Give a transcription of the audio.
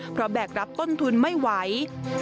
เพราะแบกรับต้นทุนไม่ไหว